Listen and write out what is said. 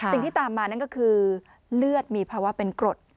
สิ่งที่ตามมานั่นก็คือเลือดมีภาวะเป็นกรด